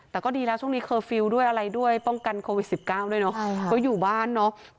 แต่ก็ดีแล้วช่วงนี้เคอร์ฟิลล์ด้วยอะไรด้วยป้องกันโควิด๑๙ด้วยเนาะเขาอยู่บ้านเนาะ